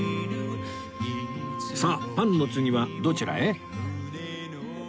さあパンの次はどちらへ？